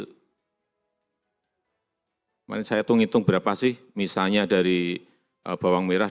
kemarin saya hitung hitung berapa sih misalnya dari bawang merah